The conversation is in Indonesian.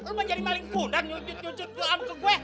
lu mah jadi maling kudang nyujut nyujut doang ke gue